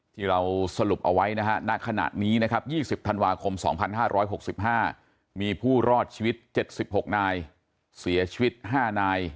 ที่เราสรุปเอาไว้นะฮะณขณะนี้นะครับ๒๐ธันวาคม๒๕๖๕มีผู้รอดชีวิต๗๖นายเสียชีวิต๕นาย